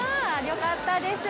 よかったです。